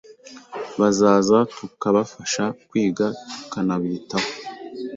bazaza tukabafasha kwiga tukanabitaho